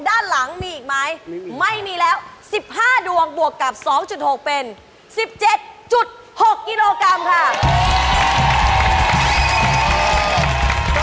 ด้านหลังมีอีกไหมไม่มีแล้ว๑๕ดวงบวกกับ๒๖เป็น๑๗๖กิโลกรัมค่ะ